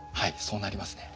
そうなりますね。